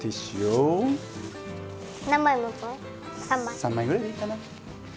３枚ぐらいでいいかな。